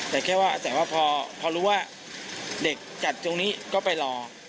แต่แค่ว่าแต่ว่าพอรู้ว่าเด็กจัดตรงนี้ก็ไปรอ